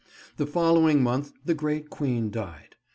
The following month the great Queen died.